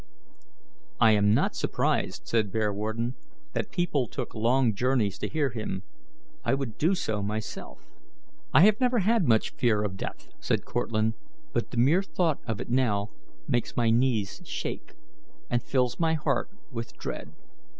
"I am not surprised," said Bearwarden, "that people took long journeys to hear him. I would do so myself." "I have never had much fear of death," said Cortlandt, "but the mere thought of it now makes my knees shake, and fills my heart with dread.